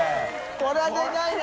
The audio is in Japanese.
これはでかいな！